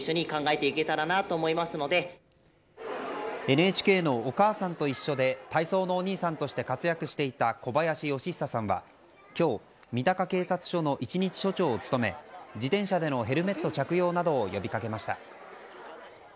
ＮＨＫの「おかあさんといっしょ」で体操のお兄さんとして活躍していた小林よしひささんは今日、三鷹警察署の一日署長を務め自転車でのヘルメット着用などを呼び掛けました。